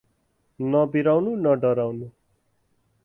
न बिराउनु न डराउनु